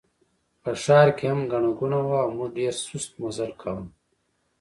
په ښار کې هم ګڼه ګوڼه وه او موږ ډېر سست مزل کاوه.